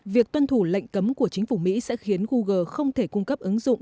việc tuân thủ lệnh cấm của chính phủ mỹ sẽ khiến google không thể cung cấp ứng dụng